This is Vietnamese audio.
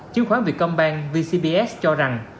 chiếm khoán việtcombank vcbs cho rằng